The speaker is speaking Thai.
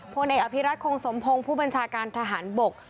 พลเอกอภิรัตคงสมพงศ์ผู้บัญชาการทหารบก